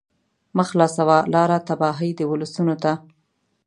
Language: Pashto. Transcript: مه خلاصوه لاره تباهۍ د ولسونو ته